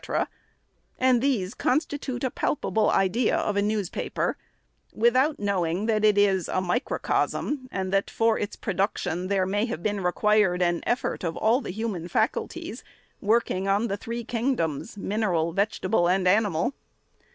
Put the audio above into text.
— and these constitute a palpa 528 THE SECRETARY'S ble idea of a newspaper, — without knowing that it is a microcosm, and that, for its production, there may have been required an effort of all the human faculties, work ing on the three kingdoms, mineral, vegetable, and ani mal.